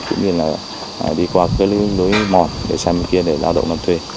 cũng như là đi qua cái lối mòn để sang bên kia để lao động làm thuê